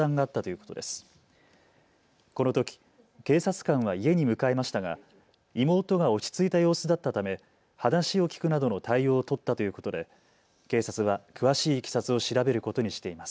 このとき警察官は家に向かいましたが妹が落ち着いた様子だったため話を聴くなどの対応を取ったということで警察は詳しいいきさつを調べることにしています。